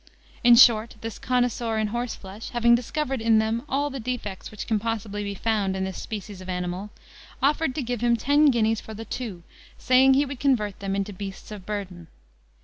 In short, this connoisseur in horse flesh, having discovered in them all the defects which can possibly be found in this species of animal, offered to give him ten guineas for the two, saying he would convert them into beasts of burden.